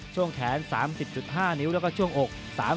ช่วงแขน๓๐๕นิ้วแล้วก็ช่วงอก